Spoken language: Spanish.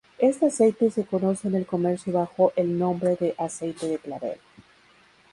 Este aceite se conoce en el comercio bajo el nombre de "aceite de clavel".